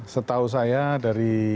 setahu saya dari